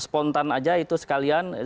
spontan aja itu sekalian